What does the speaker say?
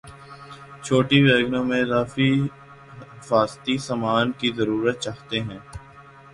چھوٹی ویگنوں میں اضافی حفاظتی سامان کی ضرورت چاہتے ہیں